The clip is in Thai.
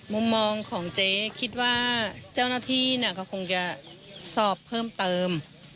มุมมองของเจ๊คิดว่าเจ้าหน้าที่ก็คงจะสอบเพิ่มเติม